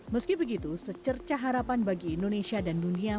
meski begitu secerca harapan bagi indonesia dan dunia